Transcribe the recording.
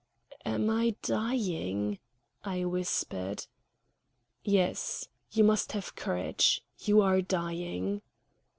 "Am I dying?" I whispered. "Yes. You must have courage. You are dying."